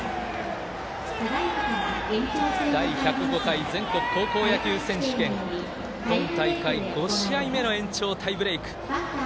第１０５回全国高校野球選手権今大会、５試合目の延長タイブレーク。